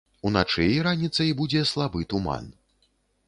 Уначы і раніцай будзе слабы туман.